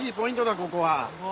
ここは。